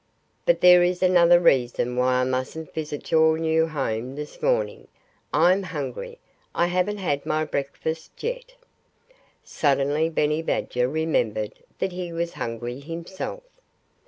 "But there is another reason why I mustn't visit your new home this morning: I'm hungry. I haven't had my breakfast yet." Suddenly Benny Badger remembered that he was hungry himself.